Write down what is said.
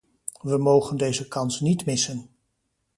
We mogen deze kans niet missen.